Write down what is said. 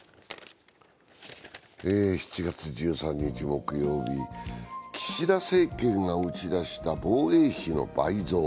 ７月１３日木曜日岸田政権が打ち出した防衛費の倍増。